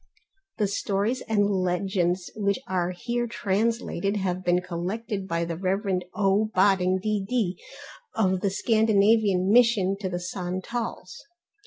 The stories and legends which are here translated have been collected by the Rev. O. Bodding, D.D. of the Scandinavian Mission to the Santals.